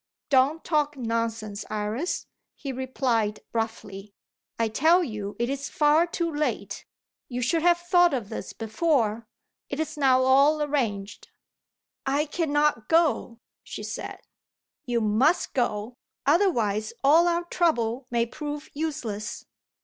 "Don't talk nonsense, Iris," he replied roughly. "I tell you it is far too late. You should have thought of this before. It is now all arranged." "I cannot go," she said. "You must go; otherwise, all our trouble may prove useless."